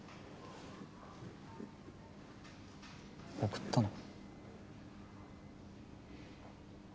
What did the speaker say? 送ったの？